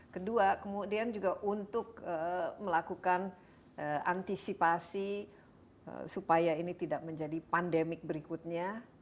kedua kemudian juga untuk melakukan antisipasi supaya ini tidak menjadi pandemik berikutnya